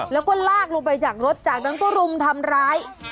แล้วก็ลากลงไปจากรถจากนั้นก็รุมทำร้าย